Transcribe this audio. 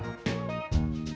sekarang saya menangih air jsome